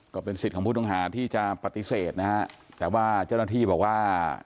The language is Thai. ก็เป็นสิทธิ์ของผู้ต้องหาที่จะปฏิเสธนะฮะแต่ว่าเจ้าหน้าที่บอกว่า